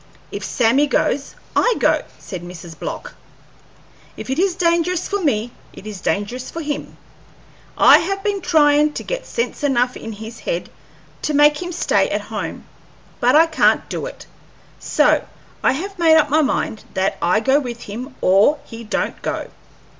"If Sammy goes, I go," said Mrs. Block. "If it is dangerous for me, it is dangerous for him. I have been tryin' to get sense enough in his head to make him stay at home, but I can't do it; so I have made up my mind that I go with him or he don't go.